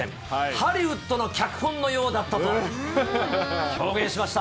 ハリウッドの脚本のようだったと表現しました。